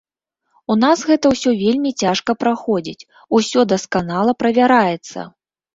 У нас гэта ўсё вельмі цяжка праходзіць, усё дасканала правяраецца.